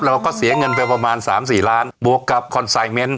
เราก็เสียเงินไปประมาณสามสี่ล้านบวกกับคอนไซเมนต